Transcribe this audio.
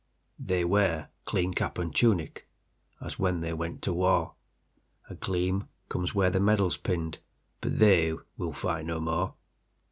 They wear clean cap and tunic, As when they went to war;A gleam comes where the medal's pinned:But they will fight no more.